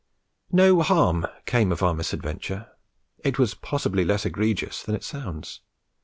No harm came of our misadventure; it was possibly less egregious than it sounds.